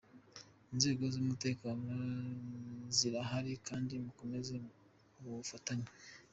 Inzego z’umutekano zirahari kandi mukomeze ubufatanye.